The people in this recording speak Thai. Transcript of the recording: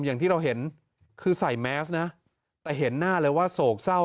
อย่างที่เราเห็นคือใส่แมสนะแต่เห็นหน้าเลยว่าโศกเศร้า